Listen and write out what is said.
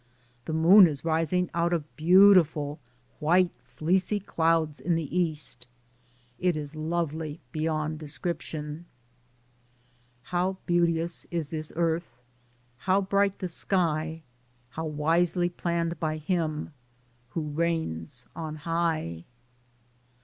The moon is rising out of beautiful, white fleecy clouds in the east. It is lovely beyond description. How beauteous is this earth. How bright the sky, How wisely planned by him Who reigns on high.